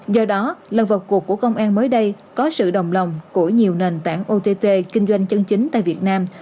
do đó lần vào cuộc của công an mới đây có sự đồng lòng của nhiều nền tảng ott kinh doanh chân chính tại việt nam